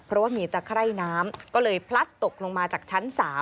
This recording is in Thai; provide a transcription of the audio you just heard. เพราะว่ามีตะไคร่น้ำก็เลยพลัดตกลงมาจากชั้น๓